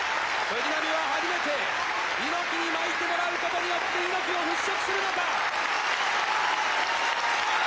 藤波は初めて猪木に巻いてもらうことによって猪木を払しょくするのか。